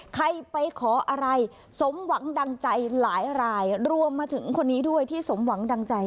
ใครไปขออะไรสมหวังดังใจหลายรายรวมมาถึงคนนี้ด้วยที่สมหวังดังใจ